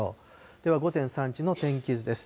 では午前３時の天気図です。